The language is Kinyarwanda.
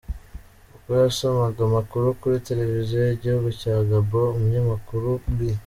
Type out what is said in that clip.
Ubwo yasomaga amakuru kuri Tereviziyo y’igihugu cya Gabon, umunyamakuru Bi.